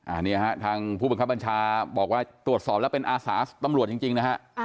อันนี้ฮะทางผู้บังคับบัญชาบอกว่าตรวจสอบแล้วเป็นอาสาตำรวจจริงนะฮะ